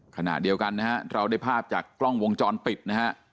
ขณะเดียวกันนะฮะเราได้ภาพจากกล้องวงจรปิดนะฮะ